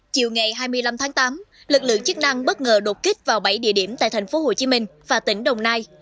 chiều ngày hai mươi năm tháng tám lực lượng chức năng bất ngờ đột kích vào bảy địa điểm tại thành phố hồ chí minh và tỉnh đồng nai